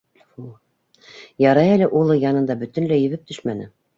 Ярай әле улы янында бөтөнләй ебеп төшмәне.